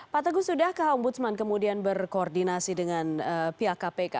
pak teguh sudahkah ombudsman kemudian berkoordinasi dengan pihak kpk